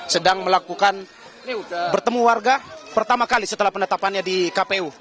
sedang melakukan bertemu warga pertama kali setelah penetapannya di kpu